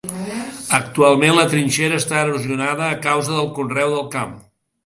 Actualment la trinxera està erosionada a causa del conreu del camp.